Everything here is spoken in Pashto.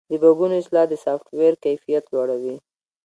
د بګونو اصلاح د سافټویر کیفیت لوړوي.